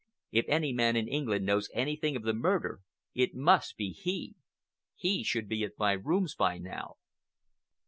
If any man in England knows anything of the murder, it must be he. He should be at my rooms by now."